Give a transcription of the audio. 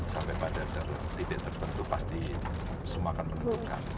sampai pada titik tertentu pasti semua akan menentukan